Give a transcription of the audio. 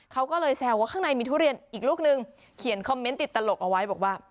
เขาก็เลยแซวว่าข้างในมีทุเรียนอีกลูกนึงเขียนคอมเมนต์ติดตลกเอาไว้บอกว่า